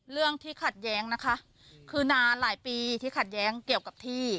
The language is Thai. เรื่องที่ขัดแย้งนะคะคือนานหลายปีที่ขัดแย้งเกี่ยวกับที่